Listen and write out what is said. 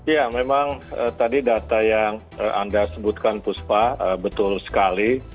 ya memang tadi data yang anda sebutkan puspa betul sekali